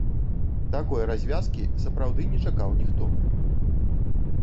Такой развязкі сапраўды не чакаў ніхто.